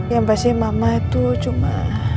ya pasti mama tuh cuma